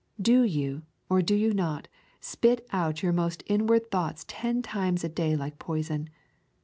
Do you, or do you not, spit out your most inward thoughts ten times a day like poison?